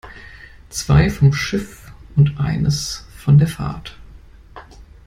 Zwei vom Schiff und eines von der Fahrt.